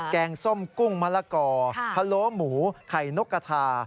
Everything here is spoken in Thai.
แกงส้มกุ้งมะละกอพะโล้หมูไข่นกกระทา